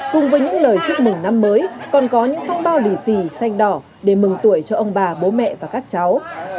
cùng với những lời chúc mừng năm mới còn có những phong bao lì xì xanh đỏ để mừng tuổi cho ông bà bố mẹ và các cháu